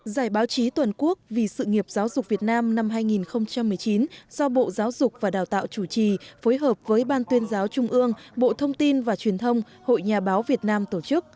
giải báo chí toàn quốc vì sự nghiệp giáo dục việt nam năm hai nghìn một mươi chín do bộ giáo dục và đào tạo chủ trì phối hợp với ban tuyên giáo trung ương bộ thông tin và truyền thông hội nhà báo việt nam tổ chức